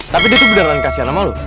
tapi dia tuh beneran kasihan sama lo